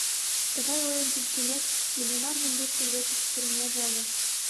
Тыгай ойым кӱктымек, Иллимар мӧҥгеш кудывечыш пурынеже ыле.